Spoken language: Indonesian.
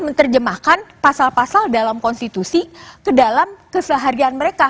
jadi terjemahkan pasal pasal dalam konstitusi ke dalam keseharian mereka